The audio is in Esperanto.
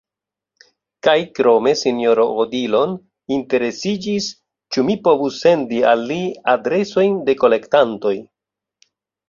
Kaj krome Sinjoro Odilon interesiĝis, ĉu mi povus sendi al li adresojn de kolektantoj.